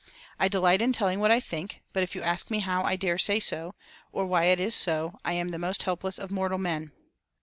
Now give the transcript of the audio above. I delight in telling what I think, but if you ask me how I dare say so, or why it is so, I am the most helpless of mortal men.